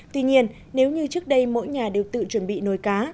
tuy nhiên nếu như trước đây mỗi nhà đều tự chuẩn bị nồi cá